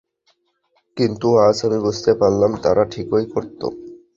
কিন্তু আজ আমি বুঝতে পারলাম, তারা ঠিকই করতো।